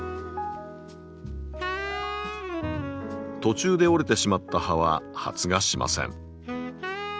途中で折れてしまった葉は発芽しません。